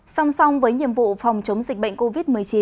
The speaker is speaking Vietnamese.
song song với nhiệm vụ phòng chống dịch bệnh covid một mươi chín